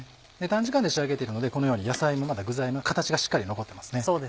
短時間で仕上げているのでこのように野菜もまだ具材の形がしっかり残ってますね。